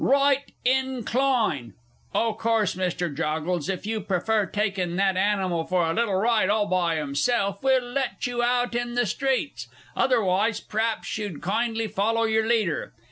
Right In cline! O' course, Mr. Joggles, if you prefer takin' that animal for a little ride all by himself we'll let you out in the streets otherwise p'raps you'll kindly follow yer leader.